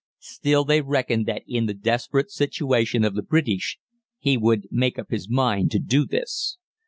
Still they reckoned that in the desperate situation of the British, he would make up his mind to do this.